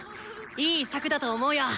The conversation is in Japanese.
いい策だと思うよ！